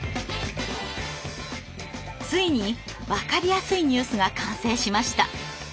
ついにわかりやすいニュースが完成しました。